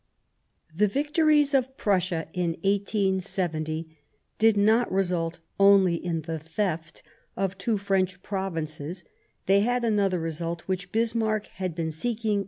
The victories of Prussia in 1870 did not result only in the theft of two French Provinces ; they had another result which Bismarck had been The renais 1 •• occ i.